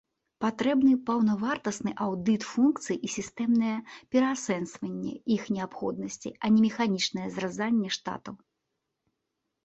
Патрэбныя паўнавартасны аўдыт функцый і сістэмнае пераасэнсаванне іх неабходнасці, а не механічнае зразанне штатаў.